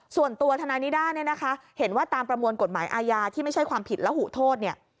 ทนายนิด้าเนี่ยนะคะเห็นว่าตามประมวลกฎหมายอาญาที่ไม่ใช่ความผิดและหูโทษเนี่ย